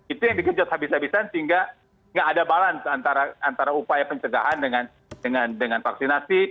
itu yang dikejut habis habisan sehingga tidak ada balance antara upaya pencegahan dengan vaksinasi